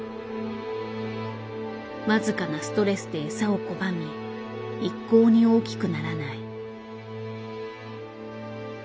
僅かなストレスで餌を拒み一向に大きくならない。